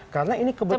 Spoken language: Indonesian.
karena ini kebetulan